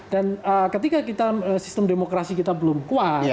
dan ketika sistem demokrasi kita belum kuat